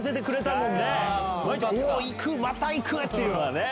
お行く！また行く！っていうのが。